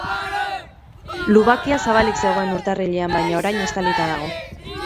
Lubakia zabalik zegoen urtarrilean, baina orain estalita dago.